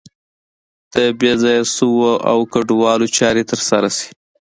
د بې ځایه شویو او کډوالو چارې تر سره شي.